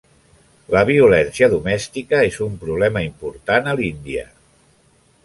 La violència domèstica és un problema important a l'Índia.